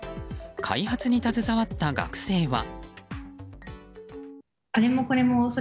開発に携わった学生は。